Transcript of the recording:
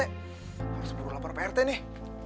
harus buru lapor prt nih